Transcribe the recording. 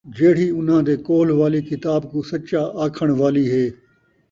جِہڑی اُنہاں دے کولھ والی کتاب کوں سَچّا آکھݨ والی ہے،